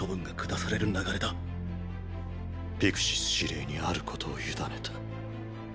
ピクシス司令にあることを委ねた。